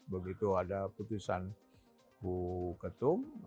begitu ada putusan bu ketum